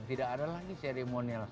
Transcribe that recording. tidak ada lagi seremonial